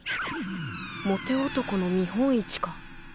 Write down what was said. モテ男の見本市か？